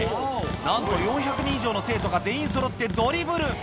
なんと４００人以上の生徒が全員そろってドリブル。